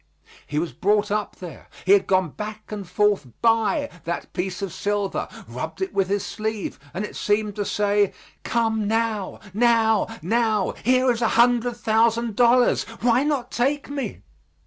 He was brought up there; he had gone back and forth by that piece of silver, rubbed it with his sleeve, and it seemed to say, "Come now, now, now, here is a hundred thousand dollars. Why not take me?"